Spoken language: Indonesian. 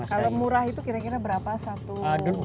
kalau murah itu kira kira berapa satu